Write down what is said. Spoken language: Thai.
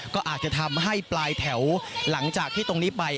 ก็อาจจะทำให้ปลายแถวหลังจากที่ตรงนี้ไป